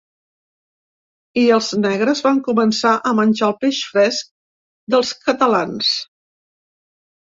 I els negres van començar a menjar el peix fresc dels catalans.